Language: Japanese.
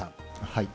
はい。